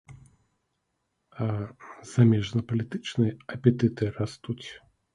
А замежнапалітычныя апетыты растуць.